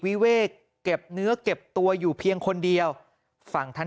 วิเวกเก็บเนื้อเก็บตัวอยู่เพียงคนเดียวฝั่งท่าน